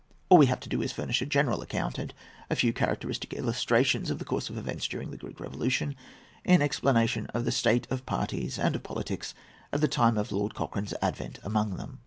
All we have to do is to furnish a general account, and a few characteristic illustrations, of the course of events during the Greek Revolution, in explanation of the state of parties and of politics at the time of Lord Cochrane's advent among them.